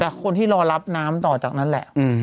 แต่คนที่รอรับน้ำต่อจากนั้นแหละ